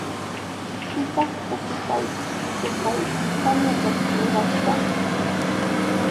¿Pitaq pukutaypis, rupaypis, tamyatapis rurallashqa?